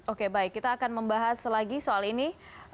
oke baik kita akan membahas lagi soal ini